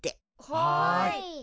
はい。